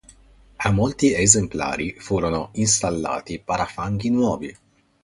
A molti esemplari furono installati parafanghi nuovi.